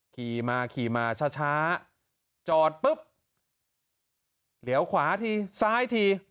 ขี่มาขี่มาช้าจอดปุ๊บเหลียวขวาทีซ้ายที